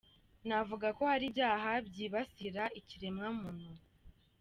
"Novuga ko hari ivyaha vyibasira kiremwa muntu.